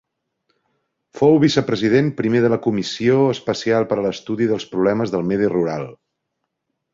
Fou vicepresident primer de la comissió especial per a l'estudi dels problemes del medi rural.